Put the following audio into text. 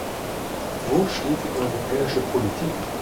Wo steht die europäische Politik?